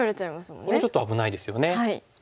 これちょっと危ないですよね。